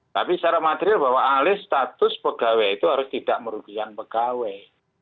tapi secara material bahwa alih status pegawai itu harus tidak merugikan pegawai